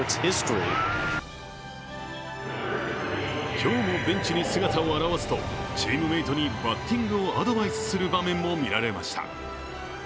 今日もベンチに姿を現すと、チームメートにバッティングをアドバイスする場面も見られました。